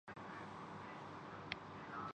لوگوں کے بیان پر بھروسہ کرتا ہوں